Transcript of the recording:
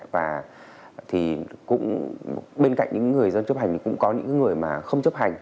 và bên cạnh những người dân chấp hành thì cũng có những người mà không chấp hành